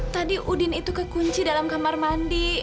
tadi udin itu kekunci dalam kamar mandi